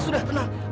bu sudah tenang